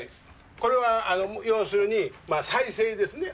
これは要するに再生ですね。